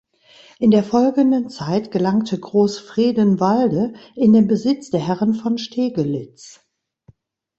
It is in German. In der folgenden Zeit gelangte Groß Fredenwalde in den Besitz der Herren von Stegelitz.